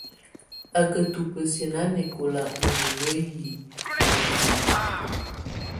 Á ka tubǝ́siǝ́ nanɛkɔla ù mimǝ́ yi miyinǝ́.